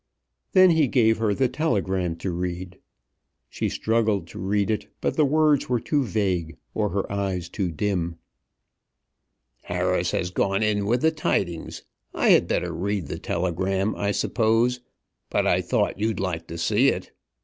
Then he gave her the telegram to read. She struggled to read it, but the words were too vague; or her eyes too dim. "Harris has gone in with the tidings. I had better read the telegram, I suppose, but I thought you'd like to see it.